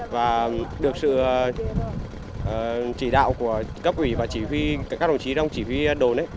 và được sự chỉ đạo của cấp ủy và các đồng chí đồng chỉ huy đồn